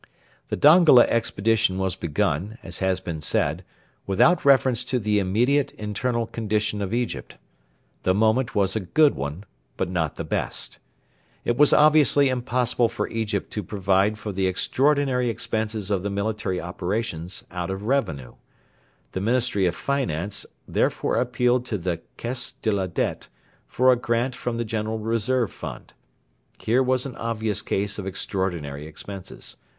The Dongola expedition was begun, as has been said, without reference to the immediate internal condition of Egypt. The moment was a good one, but not the best. It was obviously impossible for Egypt to provide for the extraordinary expenses of the military operations out of revenue. The Ministry of Finance therefore appealed to the Caisse de la Dette for a grant from the general reserve fund. Here was an obvious case of 'extraordinary expenses.'